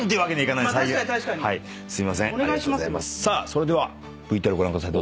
それではＶＴＲご覧ください。